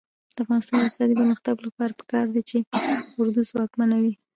د افغانستان د اقتصادي پرمختګ لپاره پکار ده چې اردو ځواکمنه وي.